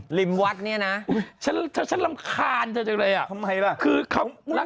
หนุ่มฉันรำคาญเธอจังเลยอะคือเขาทำไมล่ะ